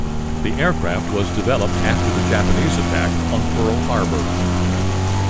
The aircraft was developed after the Japanese attack on Pearl Harbor.